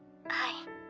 はい。